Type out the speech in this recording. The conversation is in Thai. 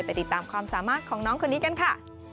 ติดตามความสามารถของน้องคนนี้กันค่ะ